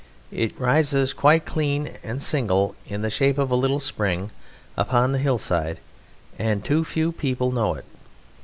It rises quite clean and single in the shape of a little spring upon the hillside, and too few people know it.